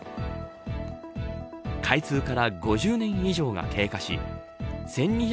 開通から５０年以上が経過し１２００